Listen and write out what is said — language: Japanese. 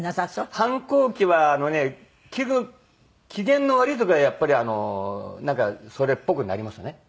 反抗期はあのね気分機嫌の悪い時はやっぱりなんかそれっぽくなりますよね。